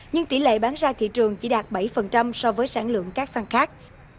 nhưng tỷ lệ bán ra thị trường chỉ đạt bảy so với sản lượng các săn khác